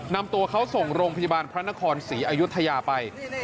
นำตัวเขาส่งโรงพยาบาลพระนครศรีอายุทยาไป